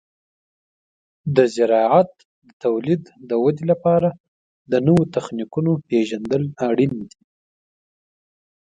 د زراعت د تولید د ودې لپاره د نوو تخنیکونو پیژندل اړین دي.